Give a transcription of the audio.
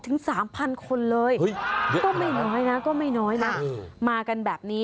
ถึง๓๐๐คนเลยก็ไม่น้อยนะก็ไม่น้อยนะมากันแบบนี้